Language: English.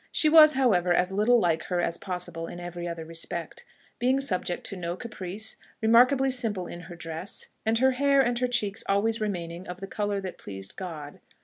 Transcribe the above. She was, however, as little like her as possible in every other respect, being subject to no caprice, remarkably simple in her dress, and her hair and her cheeks always remaining of the colour that pleased God.